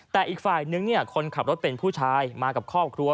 แต่อีกฝ่ายนึงคนขับรถเป็นผู้ชายมากับครอบครัว